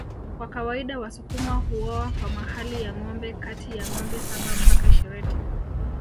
Kwa kawaida wasukuma huoa kwa mahali ya ngombe kati ya ngombe saba mpaka ishirini